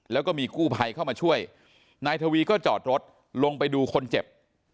แล้วก็มีกู้ภัยเข้ามาช่วยนายทวีก็จอดรถลงไปดูคนเจ็บ